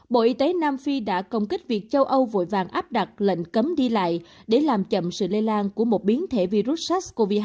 bộ y tế nam phi đã công kích việc châu âu vội vàng áp đặt lệnh cấm đi lại để làm chậm sự lây lan của một biến thể virus sars cov hai